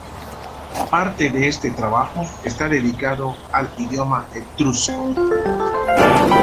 Parte de este trabajo está dedicado al idioma etrusco.